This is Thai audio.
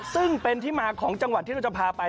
ซึ่งเป็นที่มาของจังหวัดที่เราจะพาไป